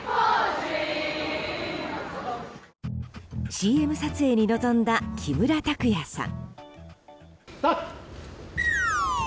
ＣＭ撮影に臨んだ木村拓哉さん。